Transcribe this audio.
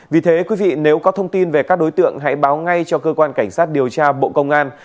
vì thế quý vị nếu có thông tin về các đối tượng hãy báo ngay cho cơ quan cảnh sát điều tra bộ công an